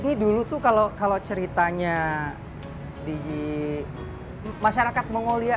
ini dulu tuh kalau ceritanya di masyarakat mongolia